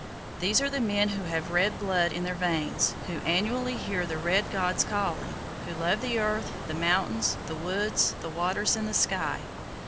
These are the men who have red blood in their veins, who annually hear the red gods calling, who love the earth, the mountains, the woods, the waters and the sky.